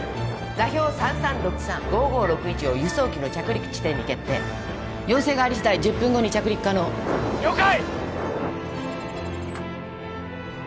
座標３３６３５５６１を輸送機の着陸地点に決定要請がありしだい１０分後に着陸可能了解！